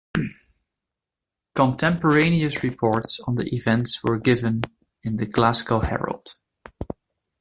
Contemporaneous reports on the event were given in the Glasgow Herald.